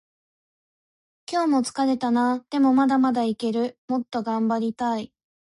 今日も疲れたな。でもまだまだいける。もっと頑張りたい。